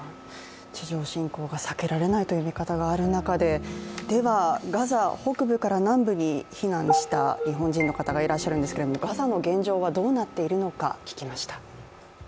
地上侵攻が避けられないという見方がある中でではガザ北部から南部に避難した日本人の方いらっしゃるんですけれどもガザの現状はどうなっているのか聞きました。